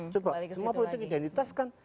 semua politik identitas kan